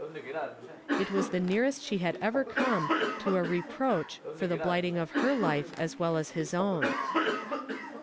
It was the nearest she had ever come to a re proach for the blighting of her life as well as his own.